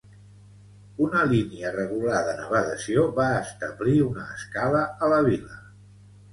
Una línia regular de navegació va establir una escala a la vila.